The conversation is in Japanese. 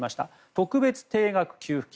特別定額給付金。